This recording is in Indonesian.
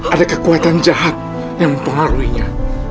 ada kekuatan jahat yang mempengaruhinya